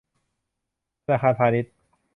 ธนาคารพาณิชย์